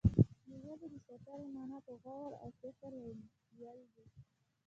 د ژبې د ساتنې معنا په غور او فکر ويل دي.